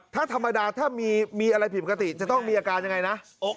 ถ้าธรรมดาถ้ามีอะไรผิดปกติจะต้องมีอาการยังไงนะ